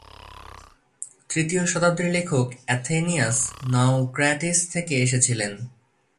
তৃতীয় শতাব্দীর লেখক এথেনিয়াস নাউক্রাটিস থেকে এসেছিলেন।